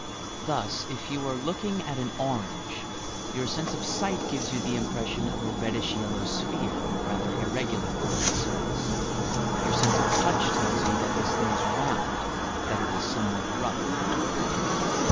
Thus, if yon are looking at an orange, your sense of sight gives you the impression of a reddish yellow sphere, rather irregu lar on its surface. Your sense of touch tells you that this thing is round, that it is somewhat rough and cool.